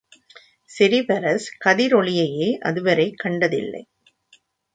Cerberus கதிரொளியையே அதுவரை கண்டதில்லை.